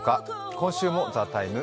今週も「ＴＨＥＴＩＭＥ，」